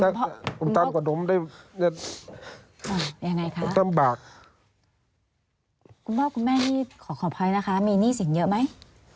คุณพ่อคุณพ่อคุณพ่อคุณพ่อคุณพ่อคุณแม่นี่ขอขอบภัยนะคะมีหนี้เสียงเยอะไหม